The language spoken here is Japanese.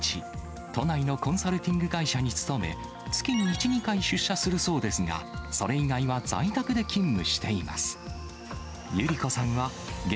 都内のコンサルティング会社に勤め、月に１、２回出社するそうですが、それ以外は在宅で勤務しています。